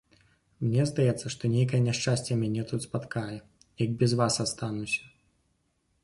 Мне здаецца, што нейкае няшчасце мяне тут спаткае, як без вас астануся.